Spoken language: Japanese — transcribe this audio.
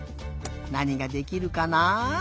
なにができるかな？